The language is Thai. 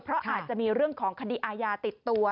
เพราะอาจจะมีเรื่องของคดีอาญาติดตัว